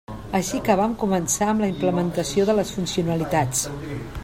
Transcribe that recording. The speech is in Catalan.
Així que vam començar amb la implementació de les funcionalitats.